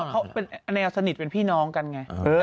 เขาเป็นแนวสนิทเป็นพี่น้องกันไง